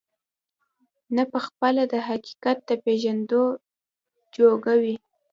نه په خپله د حقيقت د پېژندو جوگه وي،